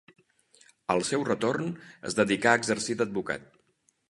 Al seu retorn es dedicà a exercir d'advocat.